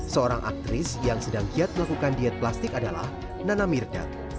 seorang aktris yang sedang giat melakukan diet plastik adalah nana mirdak